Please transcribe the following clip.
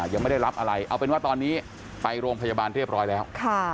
ยังไม่ได้รับอะไรเอาเป็นว่าตอนนี้ไปโรงพยาบาลเรียบร้อยแล้ว